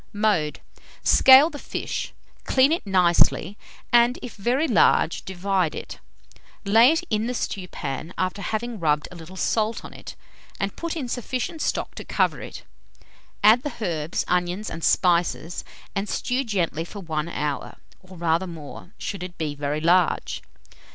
Mode. Scale the fish, clean it nicely, and, if very large, divide it; lay it in the stewpan, after having rubbed a little salt on it, and put in sufficient stock to cover it; add the herbs, onions, and spices, and stew gently for 1 hour, or rather more, should it be very large.